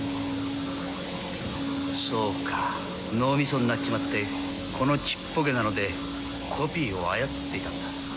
そうか脳ミソになっちまってこのちっぽけなのでコピーを操っていたんだ。